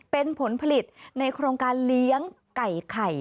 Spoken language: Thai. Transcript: เป็นผลผลิตในโครงการเลี้ยงไก่ไข่